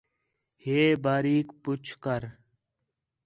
ہے باریک پُچھ کر